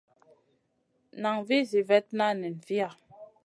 Nan vih zi vetna nen viya.